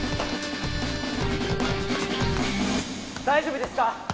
大丈夫ですか？